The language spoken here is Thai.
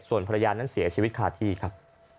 ส่วนภรรยานั้นเสียชีวิตคาที่ครับ